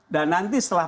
dan nanti setelah